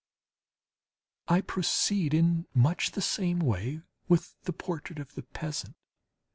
I proceed in much the same way with the portrait of the peasant.